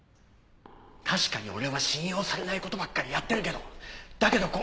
確かに俺は信用されない事ばっかりやってるけどだけど。